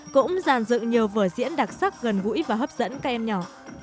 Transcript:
cũng giàn dựng nhiều vở diễn đặc sắc gần gũi và hấp dẫn các em nhỏ